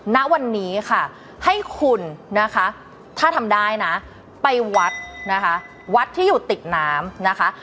ณวันนี้ค่ะให้คุณนะคะถ้าทำได้นะไปวัดนะคะวัดที่อยู่ติดน้ำนะคะ